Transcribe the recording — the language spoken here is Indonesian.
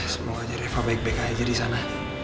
semoga aja reva baik baik aja disana